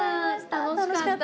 楽しかった。